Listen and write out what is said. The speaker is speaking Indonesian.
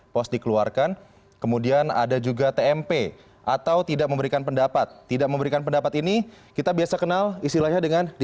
pos dikeluarkan kemudian ada juga tmp atau tidak memberikan pendapat tidak memberikan pendapat ini kita biasa kenal istilahnya dengan